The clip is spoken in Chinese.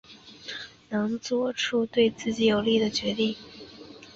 做出对自己有利的决定